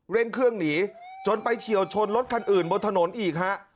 เร่งเครื่องหนีจนไปเฉียวชนรถคันอื่นบนถนนอีกฮะ